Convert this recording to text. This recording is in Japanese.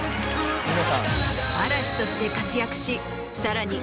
嵐として活躍しさらに